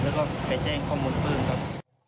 แล้วก็ไปแจ้งข้อมูลเพิ่มครับ